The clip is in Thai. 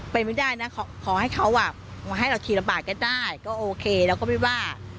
ไปไม่ได้นะขอให้เขาให้เราทีละบาทก็ได้ก็โอเคเราก็ไม่ว่า